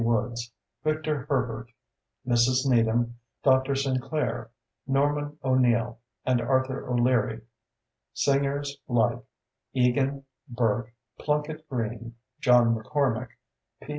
Woods, Victor Herbert, Mrs. Needham, Dr. Sinclair, Norman O'Neill, and Arthur O'Leary; singers like Egan, Burke, Plunket Greene, John MacCormack, P.